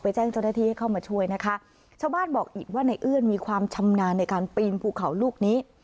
แจ้งเจ้าหน้าที่ให้เข้ามาช่วยนะคะชาวบ้านบอกอีกว่าในเอื้อนมีความชำนาญในการปีนภูเขาลูกนี้